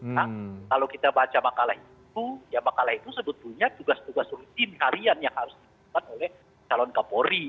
kalau kita baca makalah itu ya makalah itu sebetulnya tugas tugas rutin harian yang harus dilakukan oleh calon kapolri